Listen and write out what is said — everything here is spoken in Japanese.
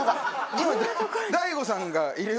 「今大悟さんがいるよ」